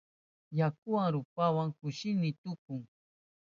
Yakuka rupawa kushni tukun.